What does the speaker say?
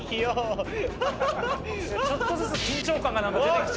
「ちょっとずつ緊張感が出てきて」